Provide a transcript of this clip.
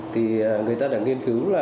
thì người ta đã nghiên cứu